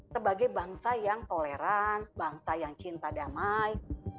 sebagai bangsa yang toleran bangsa yang cinta damai